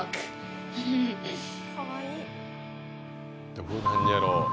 どうなんねやろ？